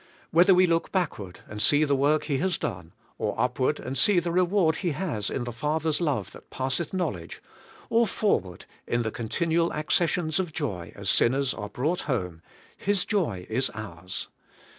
Whether we look backward and see the work He has done, or upward and see the reward He has in the Father's love that passeth knowledge, or forward in the continual accessions of joy as sinners are brought home. His joy is ours.